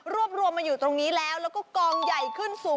รวมมาอยู่ตรงนี้แล้วและก็